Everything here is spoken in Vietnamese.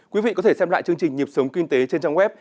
quý vị có thể xem lại chương trình nhịp sống kinh tế trên trang web